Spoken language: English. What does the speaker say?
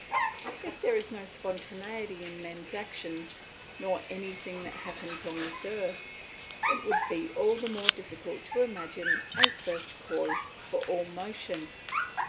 If there were no spontaneity in men's actions, nor in anything that happens on this earth, it would be all the more difficult to imagine a first cause for all motion.